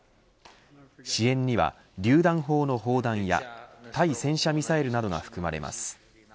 支援にはりゅう弾砲の砲弾や対戦車ミサイルなどが含まれます。